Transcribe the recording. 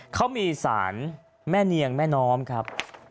เขามีสารแม่เนียงแม่น้อมครับ